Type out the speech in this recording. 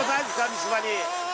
三島に。